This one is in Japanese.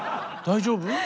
大丈夫？